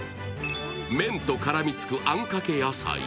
麺と絡みつくあんかけ野菜。